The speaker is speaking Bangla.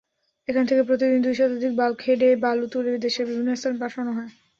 এখান থেকে প্রতিদিন দুই শতাধিক বাল্কহেডে বালু তুলে দেশের বিভিন্ন স্থানে পাঠানো হয়।